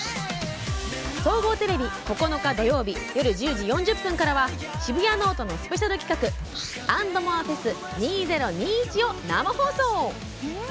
総合テレビ、９日、土曜日夜１０時４０分からは「シブヤノオト」のスペシャル企画「ａｎｄｍｏｒｅＦＥＳ．２０２１」を生放送。